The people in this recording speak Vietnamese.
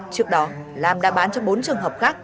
trước đó lam đã bán cho bốn trường hợp khác